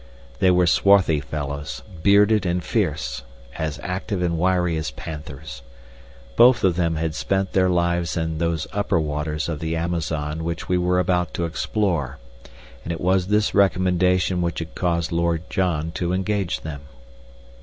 They were swarthy fellows, bearded and fierce, as active and wiry as panthers. Both of them had spent their lives in those upper waters of the Amazon which we were about to explore, and it was this recommendation which had caused Lord John to engage them.